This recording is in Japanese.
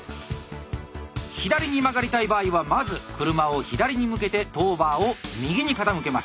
左に曲がりたい場合はまず車を左に向けてトーバーを右に傾けます。